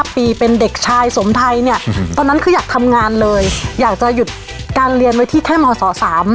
ปีเป็นเด็กชายสมไทยเนี่ยตอนนั้นคืออยากทำงานเลยอยากจะหยุดการเรียนไว้ที่แค่มศ๓